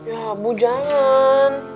ya ibu jangan